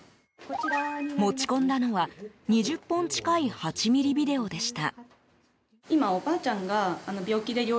持ち込んだのは、２０本近い８ｍｍビデオでした。